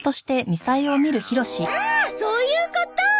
ああそういうこと！